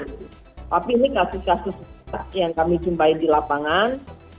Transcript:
tapi ini kasus kasus yang kami jumpai di lapangan